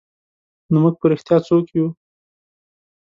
نو موږ په رښتیا څوک یو؟